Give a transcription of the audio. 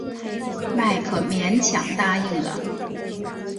迈克勉强答应了。